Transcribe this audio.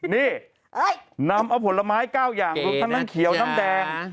นี่นำอพลไม้๙อย่างลูกทะนั้นเขียวน้ำแดง